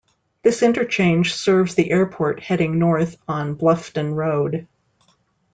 This interchange serves the airport heading north on Bluffton Road.